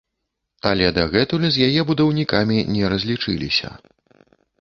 Але дагэтуль з яе будаўнікамі не разлічыліся.